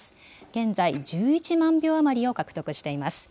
現在、１１万票余りを獲得しています。